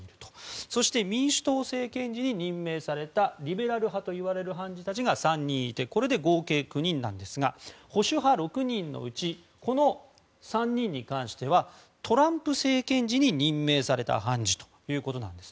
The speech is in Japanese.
そして民主党政権時に任命されたリベラル派という判事たちが３人いて、合計９人ですが保守派６人のうちこの３人に関してはトランプ政権時に任命された判事なんです。